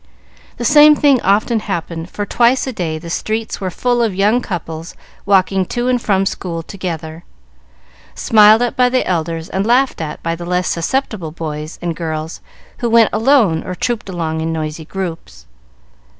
The same thing often happened, for twice a day the streets were full of young couples walking to and from school together, smiled at by the elders, and laughed at by the less susceptible boys and girls, who went alone or trooped along in noisy groups.